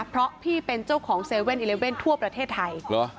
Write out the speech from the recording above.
เพราะพี่เป็นเจ้าของ๗๑๑ทั่วประเทศไทย